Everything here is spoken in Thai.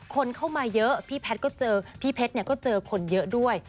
คนเข้ามาเยอะพี่แพทย์ก็เจอพี่เพชรก็เจอคนเยอะด้วย